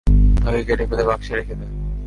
তাকে কেটে ফেলে বাক্সে রেখে দে।